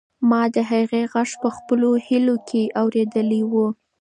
ما د هغې غږ په خپلو هیلو کې اورېدلی و.